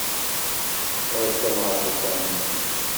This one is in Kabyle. Attan ɣef ukanapi.